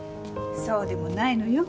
そうでもないのよ。